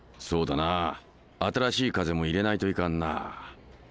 そうだな新しい風も入れないといかんな。